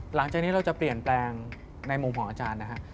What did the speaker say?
หลังจากนี้เราจะเปลี่ยนแปลงในมุมของอาจารย์นะครับ